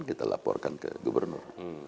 kita laporkan ke gubernur